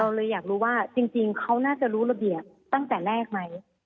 เลยอยากรู้ว่าจริงเขาน่าจะรู้ระเบียบตั้งแต่แรกไหม